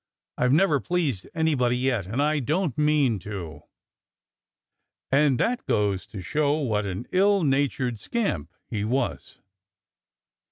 "I've never pleased anybody yet; and I don't mean to." And that goes to show what an ill natured scamp he was.